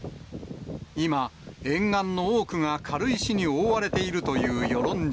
今、沿岸の多くが軽石に覆われているという与論島。